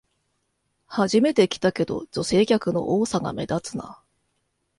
初めて来たけど、女性客の多さが目立つな